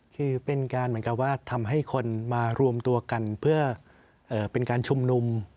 คือเป็นการเหมือนกับว่าทำให้คนมารวมตัวกันเพื่อเป็นการชุมนุม